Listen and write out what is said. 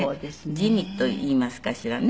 滋味といいますかしらね。